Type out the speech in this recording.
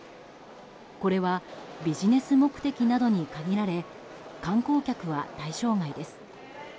これはビジネス目的などに限られ観光客は対象外です。